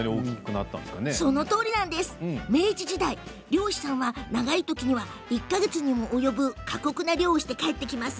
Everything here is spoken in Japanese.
明治時代、漁師さんは長いときには１か月にも及ぶ過酷な漁をして帰ってきます。